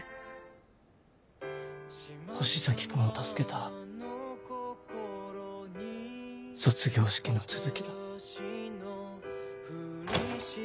星崎君を助けた卒業式の続きだ。